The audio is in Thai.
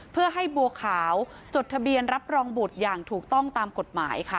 เพื่อให้บัวขาวจดทะเบียนรับรองบุตรอย่างถูกต้องตามกฎหมายค่ะ